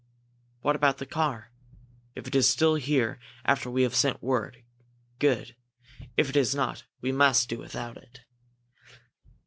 "What about the car?" "If it is still here after we have sent word, good! If it is not, we must do without it."